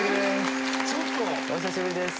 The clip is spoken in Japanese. お久しぶりです。